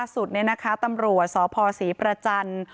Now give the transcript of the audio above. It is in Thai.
สุดหน่อยตำรวจศพศศิษรภาจันทร์